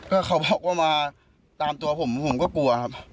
ก็เขาบอกว่ามาตามตัวผมผมก็กลัวครับ